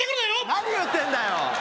何言ってんだよ